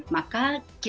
maka kita bisa mencari